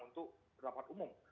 untuk rapat umum